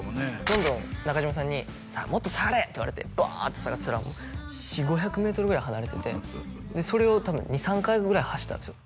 どんどん中島さんに「もっと下がれ！」って言われてバーッて下がってたら４００５００メートルぐらい離れててそれを多分２３回ぐらい走ったんですよ